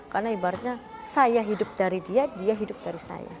karena ibaratnya saya hidup dari dia dia hidup dari saya